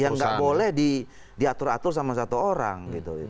yang gak boleh diatur atur sama satu orang gitu